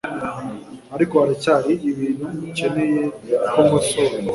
Ariko haracyari ibintu ukeneye ko nkosora